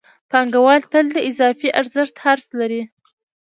پانګوال تل د اضافي ارزښت حرص لري